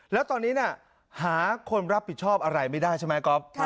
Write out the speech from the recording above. แล้วตอนนี้หาคนรับผิดชอบอะไรไม่ได้ใช่ไหมก๊อฟ